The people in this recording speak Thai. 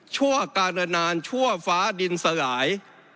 ชั่วการณานชั่วฟ้าดินสลาย